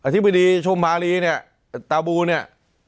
ธิบดีชมมารีเนี่ยตาบูเนี่ย